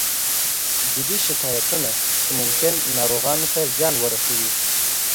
جدي شکایتونه چې ممکن ناروغانو ته زیان ورسوي